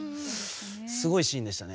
すごいシーンでしたね。